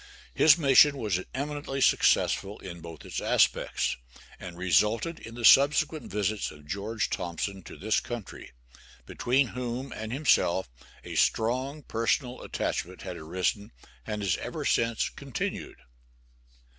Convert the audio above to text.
His mission was eminently successful in both its aspects, and resulted in the subsequent visits of George Thompson to this country, between whom and himself a strong personal attachment had arisen and has ever since continued.